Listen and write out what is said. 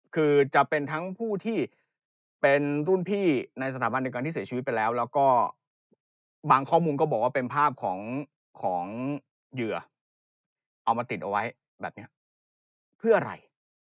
คือจะเป็นทั้งผู้ที่เป็นรุ่นพี่ในสถาบันในการที่เสียชีวิตไปแล้วแล้วก็บางข้อมูลก็บอกว่าเป็นภาพของเหยื่อที่เอามาติดเอาไว้แบบนี้เพื่ออะไร